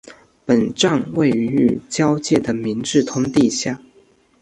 本站位于与交界的明治通地下。